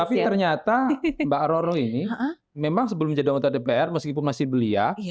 tapi ternyata mbak diaroroh ini memang sebelum jodoh untuk dpr meskipun masih belia